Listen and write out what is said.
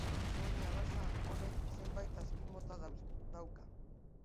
Poni arraza honek zenbait azpimota dauka.